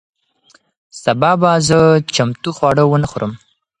سبا به زه چمتو خواړه ونه خورم.